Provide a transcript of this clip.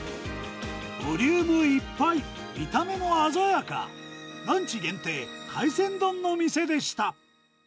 ボリュームいっぱい、見た目も鮮やか、ランチ限定、海鮮丼の店でした。